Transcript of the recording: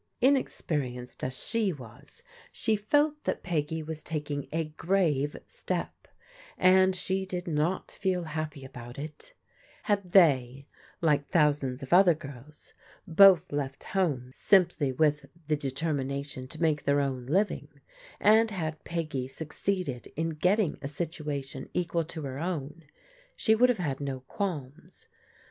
Inexperienced as she was, she felt that Peggy was taking a grave step, and she did not feel happy about it Had they, like thousands of other girls, both left home simply with the determination to make their own living, and had Peggy succeeded in getting a situation equal to her own, she would have had no qualms.